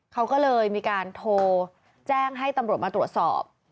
เขาก็เลยมีการโทรแจ้งให้ตำรวจมาตรวจสอบ